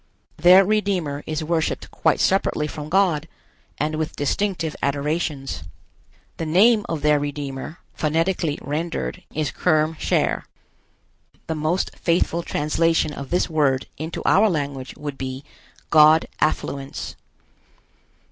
Their Redeemer is worshiped quite separately from God, and with distinctive adorations. The name of their Redeemer, phonetically rendered, is Kerm Cher. The most faithful translation of this word into our language would be God affluence.